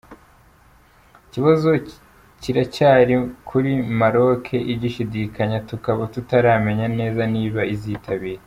Ikibazo kiracyari kuri Maroc igishidikanya tukaba tutaramenya neza niba izitabira.